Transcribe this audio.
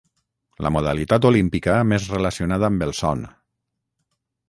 La modalitat olímpica més relacionada amb el son.